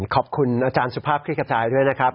ขอบคุณอาจารย์สุภาพคลิกกระจายด้วยนะครับ